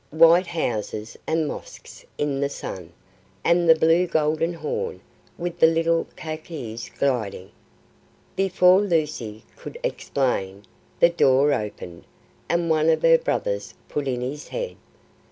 White houses and mosques in the sun, and the blue Golden Horn, with the little caiques gliding." Before Lucy could explain, the door opened, and one of her brothers put in his head.